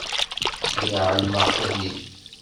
Lliɣ ɛelmeɣ qbel-im.